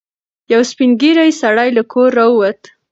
یو سپین ږیری سړی له کوره راووت.